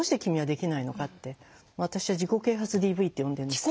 私は「自己啓発ＤＶ」って呼んでるんですけど。